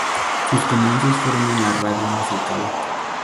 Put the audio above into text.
Sus comienzos fueron en la radio musical.